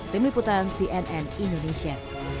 tim liputan cnn indonesia